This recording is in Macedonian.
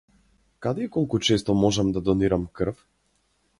Каде и колку често можам да донирам крв?